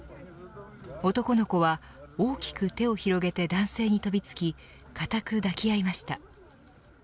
男の子は大きく手を広げて男性に飛びつき固く抱き合いました。